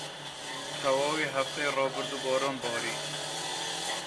تەواوی هەفتەی ڕابردوو باران باری.